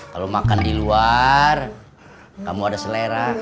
kalau makan di luar kamu ada selera